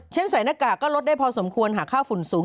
ใส่หน้ากากก็ลดได้พอสมควรหาค่าฝุ่นสูง